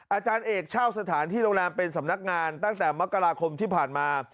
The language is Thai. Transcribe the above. อาจารย์เอกเช่าสถานที่โรงแรมเป็นสำนักงานตั้งแต่มกราคมที่ผ่านมา